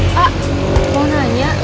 pak mau nanya